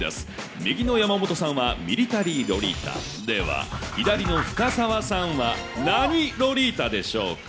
右の山本さんはミリタリーロリータ、では左の深澤さんは何ロリータでしょうか。